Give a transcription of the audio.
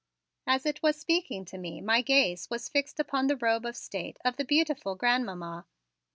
As it was speaking to me my gaze was fixed upon the robe of state of the beautiful Grandmamma.